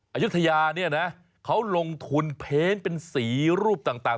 อายุทยาเนี่ยนะเขาลงทุนเพ้นเป็นสีรูปต่าง